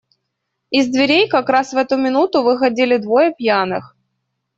Из дверей, как раз в эту минуту, выходили двое пьяных.